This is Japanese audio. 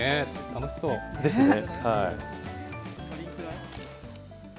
楽しそうです。ですね。